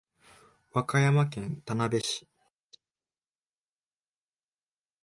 和歌山県田辺市